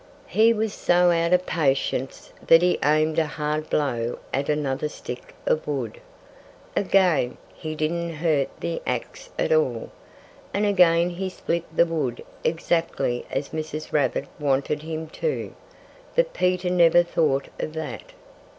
He was so out of patience that he aimed a hard blow at another stick of wood. Again, he didn't hurt the axe at all. And again he split the wood exactly as Mrs. Rabbit wanted him to. But Peter never thought of that.